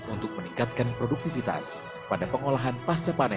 untuk meningkatkan produktivitas pada pengolahan pasca panen